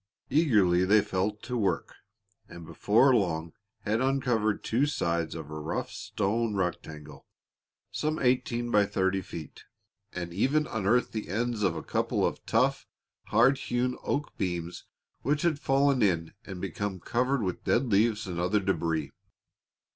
Eagerly they fell to work, and before long had uncovered two sides of a rough stone rectangle, some eighteen by thirty feet, and even unearthed the ends of a couple of tough, hand hewn oak beams which had fallen in and become covered with dead leaves and other debris.